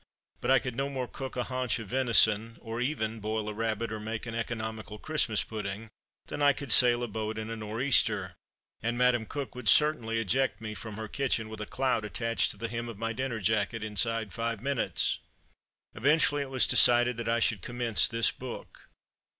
But I could no more cook a haunch of venison, or even boil a rabbit, or make an economical Christmas pudding, than I could sail a boat in a nor' easter; and Madam Cook would certainly eject me from her kitchen, with a clout attached to the hem of my dinner jacket, inside five minutes." Eventually it was decided that I should commence this book.